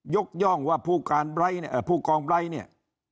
ยกย่องว่าผู้กรองไบท์เนี่ย